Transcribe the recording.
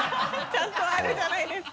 ちゃんとあるじゃないですか。